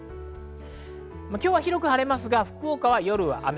今日は広く晴れますが、福岡は夜は雨。